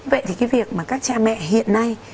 vậy thì cái việc mà các cha mẹ hiện nay